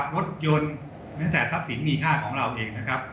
รถยนต์แม้แต่ทรัพย์สินมีค่าของเราเองนะครับ